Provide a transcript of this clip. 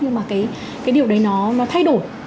nhưng mà cái điều đấy nó thay đổi